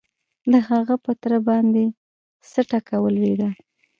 د هغه په تره باندې څه ټکه ولوېده؟